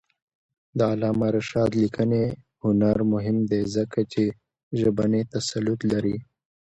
د علامه رشاد لیکنی هنر مهم دی ځکه چې ژبنی تسلط لري.